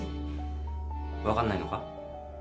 分かんないのか？